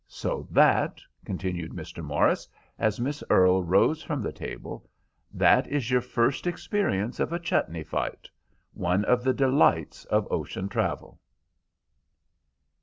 So that," continued Mr. Morris, as Miss Earle rose from the table, "that is your first experience of a chutney fight—one of the delights of ocean travel."